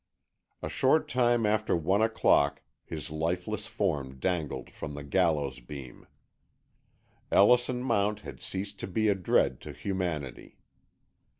A short time after one o'clock his lifeless form dangled from the gallows beam. Ellison Mount had ceased to be a dread to humanity.